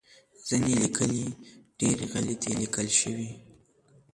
ځینې لیکنې ډیری غلطې لیکل شوی